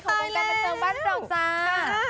ของกันท้องกันเติมบ้านบร่องค์ซา